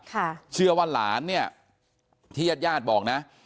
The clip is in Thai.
เชื่อว่าหลานเนี่ยที่ญาติญาติบอกนะ